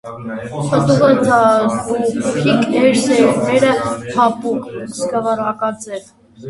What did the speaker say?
Պտուղը տուփիկ է, սերմերը՝ փափուկ, սկավառակաձև։